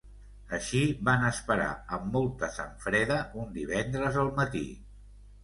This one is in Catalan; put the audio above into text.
Així, van esperar amb molta sang freda un divendres al matí.